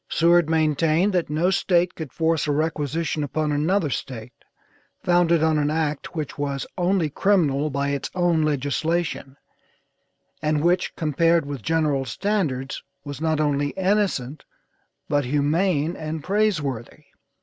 Seward maintained that no State could force a requisition upon another State, founded on an act which was only criminal by its own legislation, and which compared with general standards was not only innocent, but humane and praiseworthy.